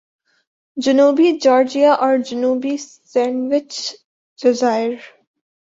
جنوبی جارجیا اور جنوبی سینڈوچ جزائر